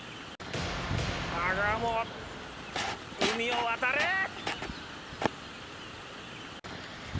海を渡れ！